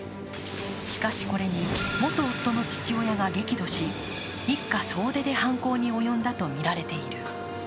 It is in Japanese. しかし、これに元夫の父親が激怒し、一家総出で犯行に及んだとみられている。